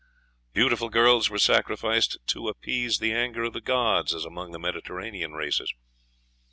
Beautiful girls were sacrificed to appease the anger of the gods, as among the Mediterranean races.